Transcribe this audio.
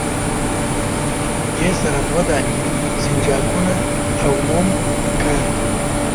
دې سره دوه دانې سنجاقونه او موم پکار دي.